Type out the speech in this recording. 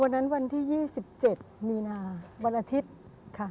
วันนั้นวันที่๒๗มีนาวันอาทิตย์ค่ะ